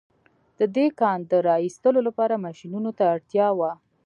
د دې کان د را ايستلو لپاره ماشينونو ته اړتيا وه.